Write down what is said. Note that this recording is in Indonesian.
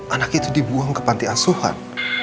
anak itu dibuang ke panti asuhan